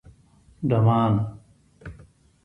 _ډمان